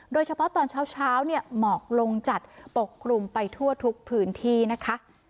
โดยเฉพาะตอนเช้าเนี่ยหมอกลงจัดปกคลุมไปทั่วทุกพื้นที่นะคะ